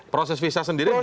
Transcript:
proses visa sendiri banyak ya